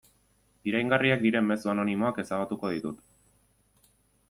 Iraingarriak diren mezu anonimoak ezabatuko ditut.